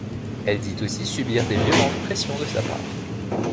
Elle dit aussi subir des violentes pressions de sa part.